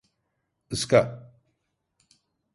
Iska!